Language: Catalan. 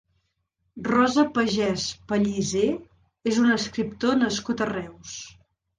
Rosa Pagès Pallisé és un escriptor nascut a Reus.